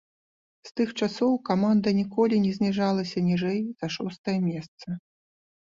З тых часоў каманда ніколі не зніжалася ніжэй за шостае месца.